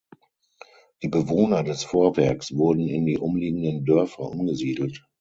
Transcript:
Die Bewohner des Vorwerks wurden in die umliegenden Dörfer umgesiedelt.